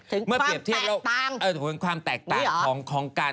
ถึงความแตกต่าง